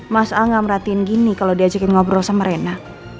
masal gak merhatiin gini kalau diajak ngobrol sama reena